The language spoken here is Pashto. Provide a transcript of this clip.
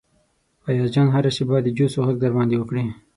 ایاز جان هره شیبه د جوسو غږ در باندې وکړي.